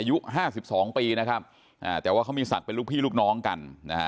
อายุ๕๒ปีแต่ว่าเขามีสัตว์เป็นลูกพี่ลูกน้องกัน